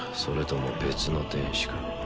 それとも別の天使か？